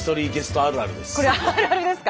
これあるあるですか？